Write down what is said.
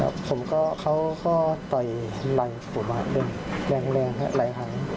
ครับผมก็เขาก็ต่อยไหล่สุบัติด้วยแรงไหล่หาย